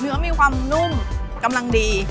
เนื้อมีความนุ่มกำลังดี